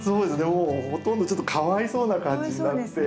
もうほとんどちょっとかわいそうな感じになって。